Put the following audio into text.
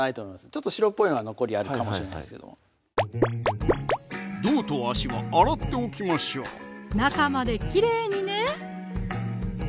ちょっと白っぽいのが残りあるかもしれないですけども胴と足は洗っておきましょう中まできれいにね